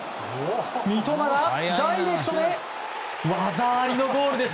三笘がダイレクトで技ありのゴールです。